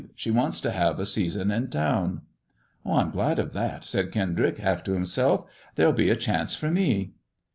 She wants to have a season in town." "I'm glad of that," said Kendrick, half to himself; there'll be a chance for me."